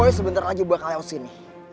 woy sebentar lagi bakal yosin nih